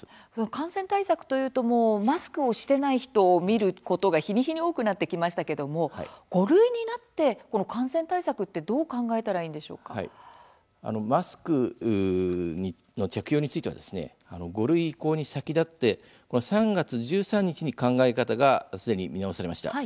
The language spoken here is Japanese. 感染対策というとマスクをしていない人を見ることが日に日に多くなりましたが５類になって感染対策はマスクの着用については５類移行に先立って３月１３日に考え方がすでに見直されました。